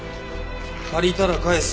借りたら返す。